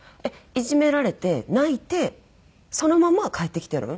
「いじめられて泣いてそのまま帰ってきてるん？」